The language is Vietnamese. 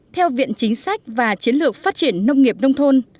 theo viện chính sách và chiến lược phát triển nông nghiệp nông thôn